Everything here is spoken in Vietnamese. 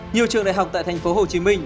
nhiều trường đại học tại tp hcm